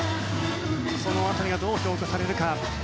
その辺りがどう評価されるか。